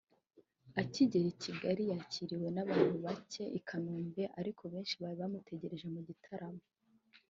Akigera i Kigali yakiriwe n'abantu bacye i Kanombe ariko benshi bari bamutegereje mu gitaramo